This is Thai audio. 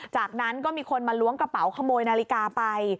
จากนั้นก็มีคนมาล้วงกระเป๋าขโมยนาฬิกาไป